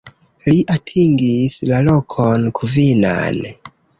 Li atingis la lokon kvinan.